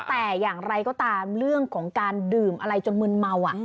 แต่อย่างไรก็ตามเรื่องของการดื่มอะไรจนมึนเมา